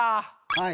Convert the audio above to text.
はい。